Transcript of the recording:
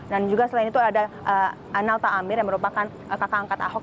juga selain itu ada analta amir yang merupakan kakak angkat ahok